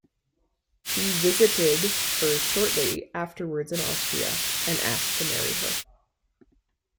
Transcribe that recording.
He visited her shortly afterwards in Austria and asked to marry her.